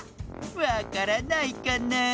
わからないかなあ？